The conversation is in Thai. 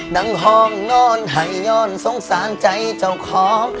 นั่งห้องนอนหายอ่อนสงสารใจเจ้าของ